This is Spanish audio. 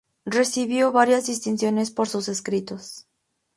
Recibió varias distinciones por sus escritos.